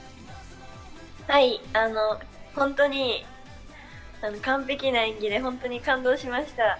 はい、本当に完璧な演技で感動しました。